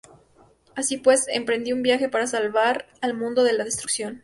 Así pues, emprendió un viaje para salvar al mundo de la destrucción.